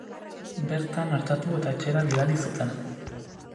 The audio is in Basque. Bertan artatu eta etxera bidali zuten.